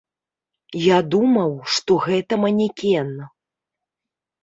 Я думаў, што гэта манекен.